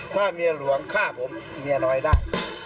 ถ้าเมียหลวงฆ่าผมเมียน้อยได้